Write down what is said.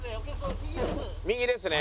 右ですね